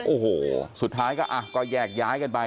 โอ้โหสุดท้ายก็แยกย้ายกันไป